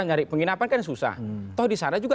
nyari penginapan kan susah toh di sana juga